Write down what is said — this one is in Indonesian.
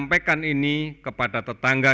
kami mengingatkan kepada kita semua